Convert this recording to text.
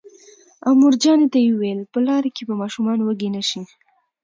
او مورجانې ته یې وویل: په لاره کې به ماشومان وږي نه شي